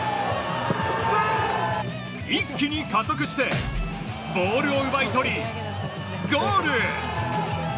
一気に加速してボールを奪い取りゴール！